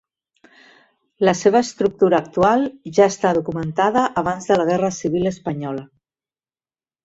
La seva estructura actual ja està documentada abans de la Guerra Civil espanyola.